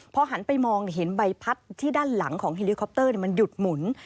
พอหันไปมองเห็นใบพัดที่ด้านหลังของเฮลิคอปเตอร์มันหยุดหมุน